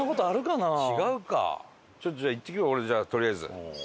ちょっとじゃあ行ってくる俺とりあえず。